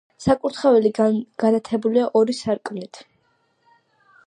საკურთხეველი განათებულია ორი სარკმლით.